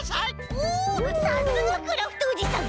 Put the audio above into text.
おさすがクラフトおじさん。